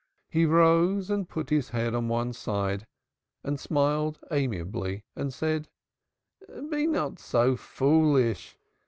He rose and put his head on one side and smiled amiably and said, "Be not so foolish.